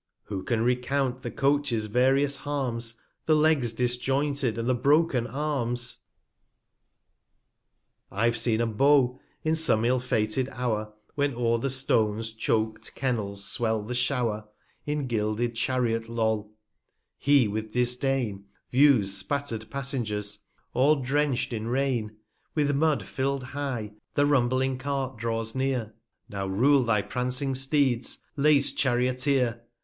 Who can recount the Coach's various Harms ; The Legs disjointed, and the broken Arms ? 400 I've seen a Beau, in some ill fated Hour, When o'er the Stones choak'd Kennels swell the Show'r, In gilded Chariot loll ; he with Disdain, Views spatter'd Passengers, all drench'd in Rain ; With Mud fill'd high, the rumbling Cart draws near, Now rule thy prancing Steeds, lac'd Charioteer